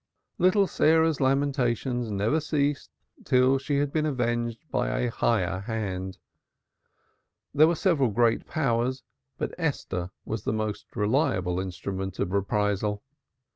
Little Sarah's lamentations never ceased till she had been avenged by a higher hand. There were several great powers but Esther was the most trusty instrument of reprisal.